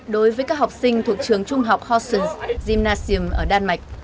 đối với các học sinh thuộc trường trung học horses gymnasium ở đan mạch